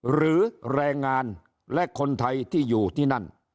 แรงงานและคนไทยที่อยู่ที่นั่น